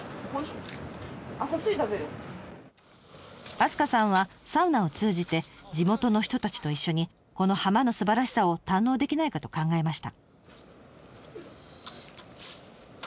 明日香さんはサウナを通じて地元の人たちと一緒にこの浜のすばらしさを堪能できないかと考えました。